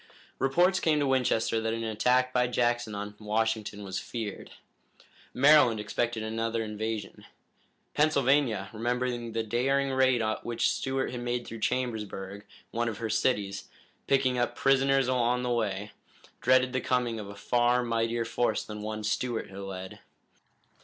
Reports came to Winchester that an attack by Jackson on Washington was feared. Maryland expected another invasion. Pennsylvania, remembering the daring raid which Stuart had made through Chambersburg, one of her cities, picking up prisoners on the way, dreaded the coming of a far mightier force than the one Stuart had led.